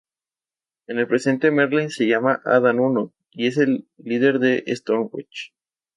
En el presente Merlín se llama Adán Uno y es el líder de Stormwatch.